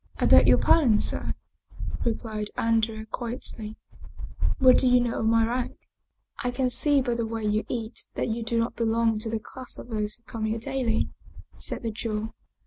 " I beg your pardon, sir," replied Andrea quietly. " What do you know of my rank ?"" I can see by the way you eat that you do not be long to the class of those who come here daily," said the Jew.